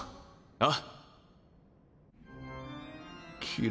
あっ。